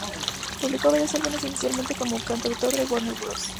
Publicó varios álbumes esencialmente como cantautor en Warner Bros.